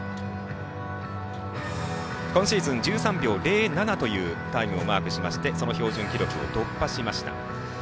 今シーズン１３秒０７というタイムをマークしましてその標準記録を突破しました。